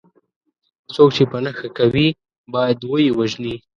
څوک چې په نښه کوي باید وه یې وژني.